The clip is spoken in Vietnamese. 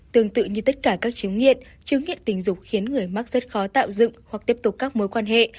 tương tự như tất cả các chứng nghiện chứng nghiện tình dục khiến người mắc rất khó tạo dựng hoặc tiếp tục các mối quan hệ